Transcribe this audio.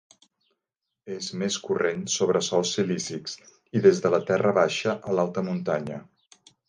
És més corrent sobre sòls silícics, i des de la terra baixa a l'alta muntanya.